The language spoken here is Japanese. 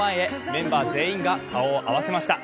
メンバー全員が顔を合わせました。